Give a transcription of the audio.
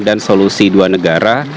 dan solusi dua negara